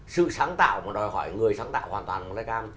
sự sáng tạo mà đòi hỏi người sáng tạo hoàn toàn của flycam